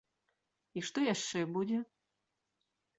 І што яшчэ будзе?